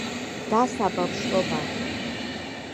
და საბავშვო ბაღი.